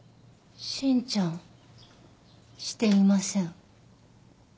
真ちゃんしていません。